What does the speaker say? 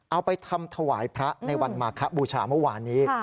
เอาไปทำถวายพระในวันมาคบูชาเมื่อวานนี้